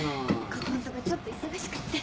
ここんとこちょっと忙しくて。